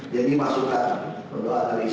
jadi masukkan untuk analisa